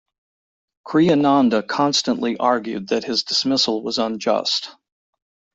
Kriyananda constantly argued that his dismissal was unjust.